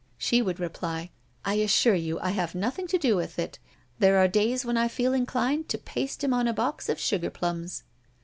She would reply: "I assure you I have nothing to do with it. There are days when I feel inclined to paste him on a box of sugar plums."